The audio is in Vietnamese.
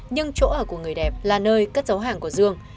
nhưng chỗ ở của người đẹp là nơi cất giấu hàng của dương